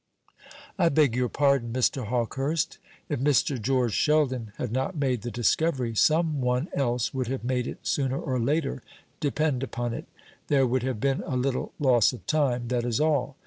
"I beg your pardon, Mr. Hawkehurst. If Mr. George Sheldon had not made the discovery, some one else would have made it sooner or later, depend upon it. There would have been a little loss of time, that is all.